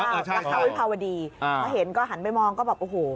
อ่าใช่อ่าพระวัดีพอเห็นก็หันไปมองก็แบบโอ้โห